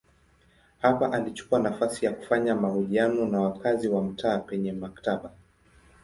Hapa alichukua nafasi ya kufanya mahojiano na wakazi wa mtaa penye maktaba.